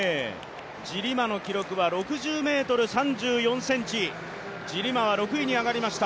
ジリマの記録は６０ｍ３４ｃｍ、ジリマは６位に上がりました。